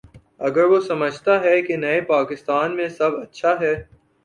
اگر وہ سمجھتا ہے کہ نئے پاکستان میں سب اچھا ہے۔